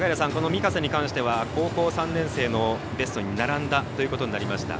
御家瀬に関しては高校３年生のベストに並んだということになりました。